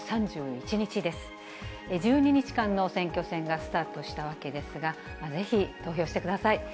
１２日間の選挙戦がスタートしたわけですが、ぜひ投票してください。